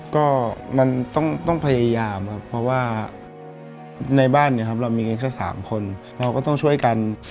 ก็มันต้องพยายามครับเพราะว่าในบ้านเนี่ยครับเรามีกันแค่๓คนเราก็ต้องช่วยกัน